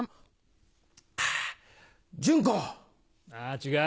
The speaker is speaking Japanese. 違う。